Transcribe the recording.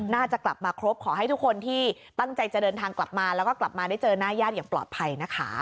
น่าจะกลับมาครบขอให้ทุกคนที่ตั้งใจจะเดินทางกลับมาแล้วก็กลับมาได้เจอหน้าญาติอย่างปลอดภัยนะคะ